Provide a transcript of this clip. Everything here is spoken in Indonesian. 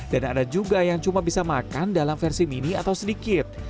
dan ada juga yang cuma bisa makan dalam versi mini atau sedikit